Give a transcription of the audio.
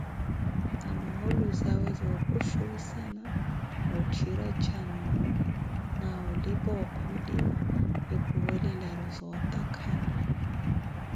Na moolu zawe zoopuxhuwisana, ootthira cannu ni olipa okholiwa epuwelelaru zootakhala.